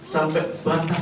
saya mencoba untuk bertahan